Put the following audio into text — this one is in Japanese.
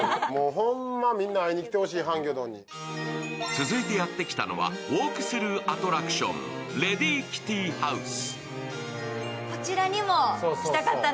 続いてやってきたのは、ウオークスルーアトラクション、レディキティハウス。